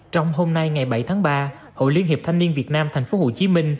trong hôm nay ngày bảy tháng ba hội liên hiệp thanh niên việt nam tp hcm